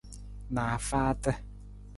Naafaata.